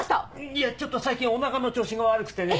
いやちょっと最近お腹の調子が悪くてね。